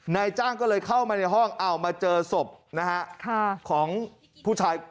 นายจ้างก็เลยเข้ามาในห้องมาเจอศพนะฮะของผู้ชาย